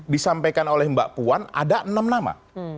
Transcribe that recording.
disampaikan oleh mbak puan ada enam nama